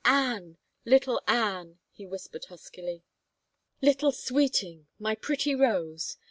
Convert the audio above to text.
" Anne — little Anne !" he whispered huskily. " Lit tie Sweeting — my pretty rose.